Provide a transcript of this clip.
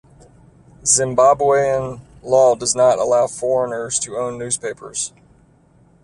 Zimbabwean law does not allow foreigners to own newspapers.